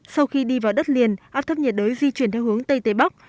sau khi đi vào đất liền áp thấp nhiệt đới di chuyển theo hướng tây tây bắc